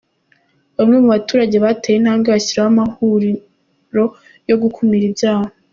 Bamwe mu baturage bateye intambwe bashyiraho amahuriro yo gukumira ibyaha.